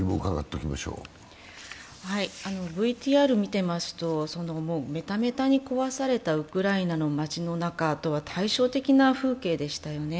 ＶＴＲを見ていますと、めためたに壊されたウクライナの街の中とは対照的な風景でしたよね。